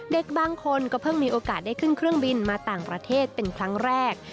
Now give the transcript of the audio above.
เด็กบางคนก็เพิ่งมีโอกาสได้ขึ้นเครื่องบินมาต่างประเทศเป็นครั้งแรก